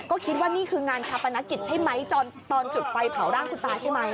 ก็คิดว่านี่คืองานชาปนกิจใช่ไหมตอนจุดไฟเผาร่างคุณตาใช่ไหม